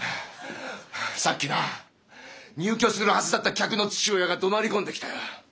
さっきな入居するはずだった客の父親がどなり込んできたよ。